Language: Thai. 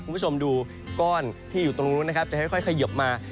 คุณผู้ชมดูก้อนที่อยู่ตรงนู้นนะครับจะค่อยเขยิบมา